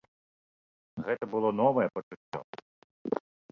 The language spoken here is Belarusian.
Гэта было новае пачуццё.